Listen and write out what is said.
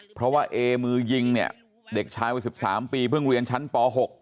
เพราะว่าเอมือยิงเนี่ยเด็กชายวัย๑๓ปีเพิ่งเรียนชั้นป๖